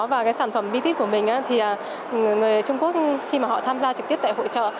và cái sản phẩm bitit của mình thì người trung quốc khi mà họ tham gia trực tiếp tại hội trợ